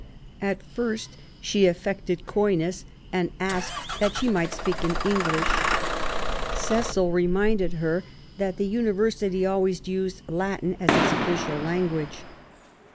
At first she affected coyness and asked that she 6 82 QUEEN ELIZABETH, might speak in English. Cecil reminded her that the University always used Latin as its official language.